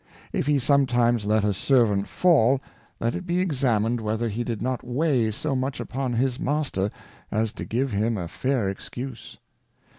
If he sometimes let a Servant fall, let it be examined whether he did not weigh so much upon his Master, as to give him a fair Excuse.